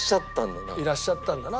「いらっしゃったんだな」？